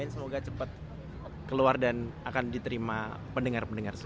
semoga cepet keluar dan akan diterima pendengar pendengar sih